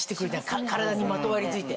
体にまとわり付いて。